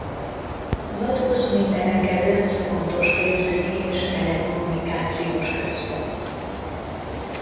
Vaduz mindenekelőtt fontos pénzügyi és telekommunikációs központ.